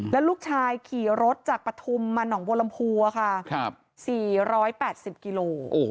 แล้วลูกชายขี่รถจากปฐุมหน่องโวลมพัวค่ะ๔๘๐กิโล